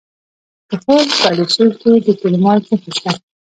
د خوست په علي شیر کې د کرومایټ نښې شته.